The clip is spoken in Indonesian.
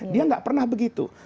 dia tidak pernah begitu